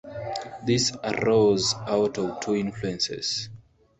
This arose out of two influences.